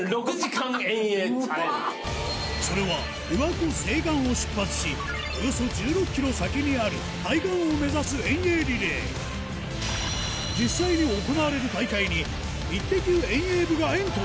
それは琵琶湖西岸を出発しおよそ１６ｋｍ先にある対岸を目指す遠泳リレー８月２７日！